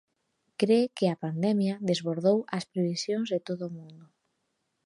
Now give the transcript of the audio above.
Cre que a pandemia desbordou as previsións de todo o mundo.